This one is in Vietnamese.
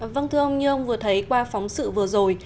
vâng thưa ông như ông vừa thấy qua phóng sự vừa rồi